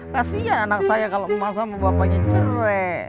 kasian anak saya kalo emah sama bapaknya cerai